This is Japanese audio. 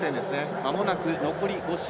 まもなく残り５周。